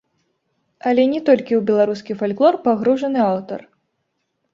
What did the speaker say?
Але не толькі ў беларускі фальклор пагружаны аўтар.